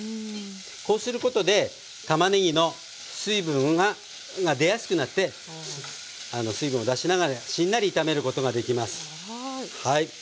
こうすることでたまねぎの水分が出やすくなって水分を出しながらしんなり炒めることができます。